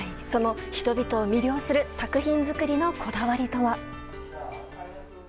その人々を魅了する作品作りのこだわりとは。